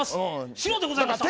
白でございました。